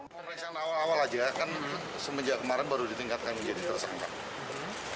pemeriksaan awal awal aja kan semenjak kemarin baru ditingkatkan menjadi tersangka